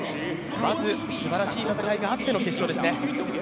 まずすばらしい戦いがあっての決勝ですね。